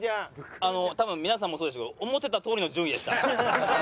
あの多分皆さんもそうでしたけど思ってたとおりの順位でした。